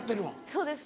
そうです。